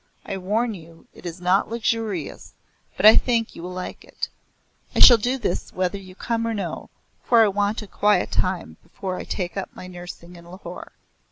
I warn you it is not luxurious, but I think you will like it. I shall do this whether you come or no, for I want a quiet time before I take up my nursing in Lahore.